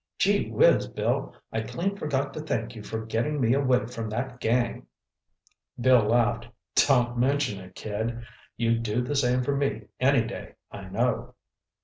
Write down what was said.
"Gee whizz, Bill, I clean forgot to thank you for getting me away from that gang!" Bill laughed. "Don't mention it, kid. You'd do the same for me any day, I know."